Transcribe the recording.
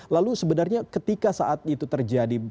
lalu sebenarnya ketika saat itu terjadi